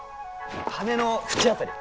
羽の縁辺り。